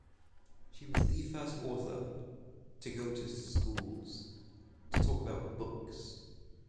She was the first author to go to schools to talk about books.